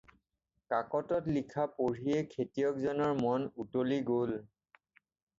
কাকতৰ লিখা পঢ়িয়েই খেতিয়ক জনৰ মন উলটি গ'ল।